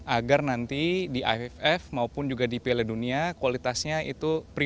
agar nanti di iff maupun juga di piala dunia kualitasnya itu priva